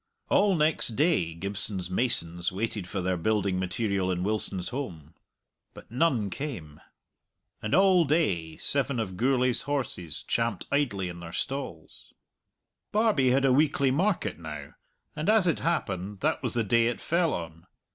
All next day Gibson's masons waited for their building material in Wilson's holm. But none came. And all day seven of Gourlay's horses champed idly in their stalls. Barbie had a weekly market now, and, as it happened, that was the day it fell on.